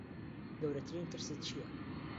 گەورەترین ترست چییە؟